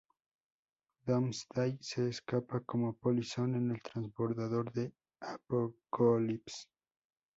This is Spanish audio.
Doomsday se escapa como polizón en el transbordador de Apokolips.